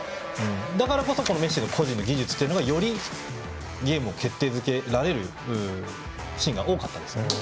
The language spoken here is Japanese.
だからこそメッシの個人技がよりゲームを決定付けられるシーンが多かったですね。